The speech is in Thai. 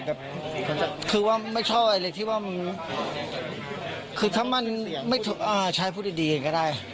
แบบคือว่าไม่ชอบอะไรที่ว่าคือถ้ามันไม่ใช้พูดดีก็ได้